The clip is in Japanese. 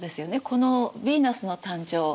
この「ヴィーナスの誕生」